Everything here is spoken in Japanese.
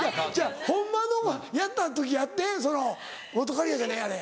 ホンマのやった時やってその「本仮屋じゃない？あれ」。